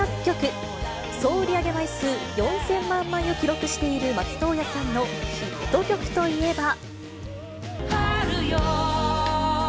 総売り上げ枚数、４０００万枚を記録している松任谷さんのヒット曲といえば。